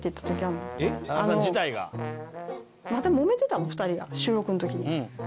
またもめてたの２人が収録の時に。